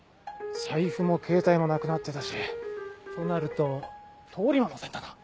財布もケータイもなくなってたしとなると通り魔の線だな。